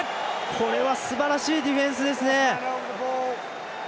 これは、すばらしいディフェンスですね。